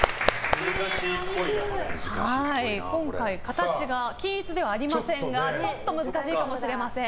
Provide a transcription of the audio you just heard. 今回、形が均一ではありませんがちょっと難しいかもしれません。